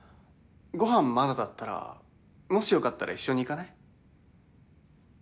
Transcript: ご飯まだだったらもしよかったら一緒に行かない？